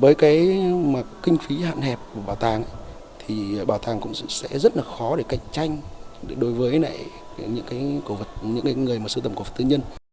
bởi cái kinh phí hạn hẹp của bảo tàng thì bảo tàng cũng sẽ rất là khó để cạnh tranh đối với những người mà sưu tầm cổ vật tư nhân